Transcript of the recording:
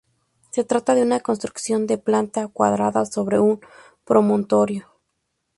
Se trata de una construcción de planta cuadrada sobre un promontorio.